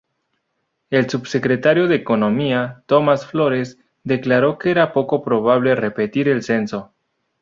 El subsecretario de Economía, Tomás Flores, declaró que era poco probable repetir el censo.